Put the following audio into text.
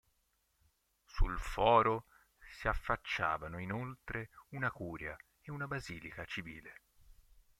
Sul foro si affacciavano inoltre una curia e una basilica civile.